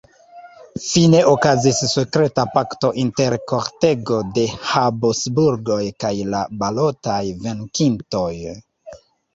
Fine okazis sekreta pakto inter kortego de Habsburgoj kaj la balotaj venkintoj.